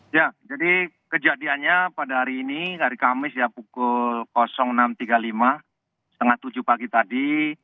ya jadi kejadiannya pada hari ini hari kamis ya pukul enam tiga puluh lima setengah tujuh pagi tadi